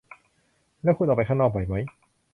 แล้วคุณออกไปข้างนอกบ่อยไหม ?